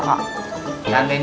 kan nita lebih ngebetuhin kamu neng